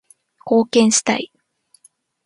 貢献したい